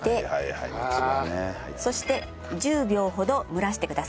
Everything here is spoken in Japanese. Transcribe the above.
そして１０秒ほど蒸らしてください。